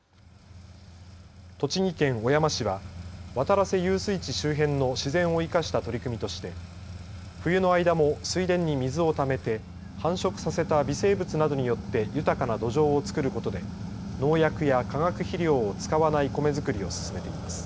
栃木県小山市は渡良瀬遊水地周辺の自然を生かした取り組みとして冬の間も水田に水をためて繁殖させた微生物などによって豊かな土壌を作ることで農薬や化学肥料を使わない米作りを進めています。